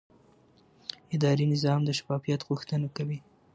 اداري نظام د شفافیت غوښتنه کوي.